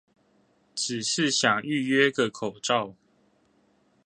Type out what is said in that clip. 只是想預約個口罩